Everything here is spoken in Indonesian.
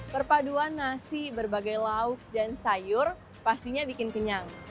perpaduan nasi berbagai lauk dan sayur pastinya bikin kenyang